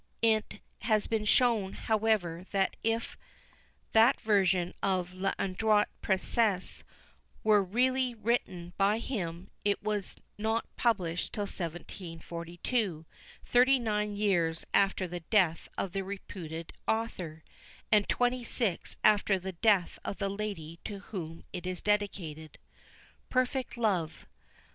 It has been shown, however, that if that version of L'Adroite Princesse were really written by him, it was not published till 1742, thirty nine years after the death of the reputed author, and twenty six after the death of the lady to whom it is dedicated. PERFECT LOVE.